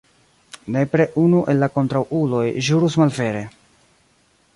Nepre unu el la kontraŭuloj ĵurus malvere.